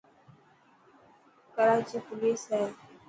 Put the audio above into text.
ڪراچي پوليس هي.